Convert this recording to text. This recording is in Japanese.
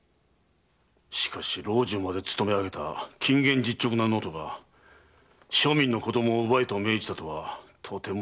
しかし老中まで勤め上げた謹厳実直な能登が庶民の子供を奪えと命じたとはとても思えんが。